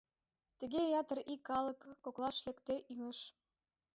Тыге ятыр ий калык коклаш лекде илыш.